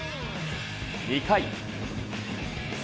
２回。